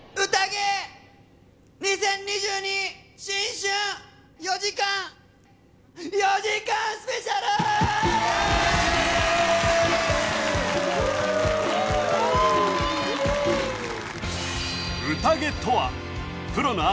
２０２２新春４時間４時間スペシャル！